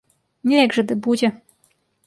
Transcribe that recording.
Неяк жа ды будзе.